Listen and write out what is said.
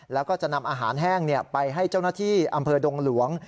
แล้วก็จะนำอาหารแห้งไปให้เจ้าหน้าที่อำเภอดงหลวง